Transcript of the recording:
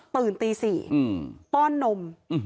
ตื่นตี๔ป้อนนม